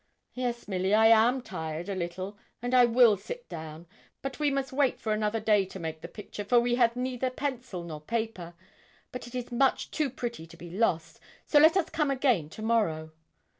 'Yes, Milly, I am tired, a little, and I will sit down; but we must wait for another day to make the picture, for we have neither pencil nor paper. But it is much too pretty to be lost; so let us come again to morrow.'